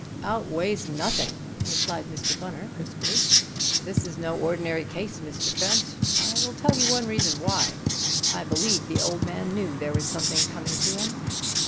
"Outweighs nothing!" replied Mr. Bunner crisply. "This is no ordinary case, Mr. Trent. I will tell you one reason why. I believe the old man knew there was something coming to him.